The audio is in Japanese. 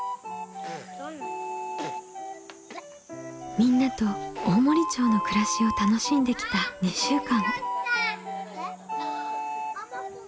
みんなと大森町の暮らしを楽しんできた２週間。